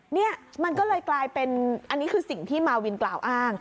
นี่มันก็เลยกลายเป็นอันนี้คือสิ่งที่มาวินกล่าวอ้าง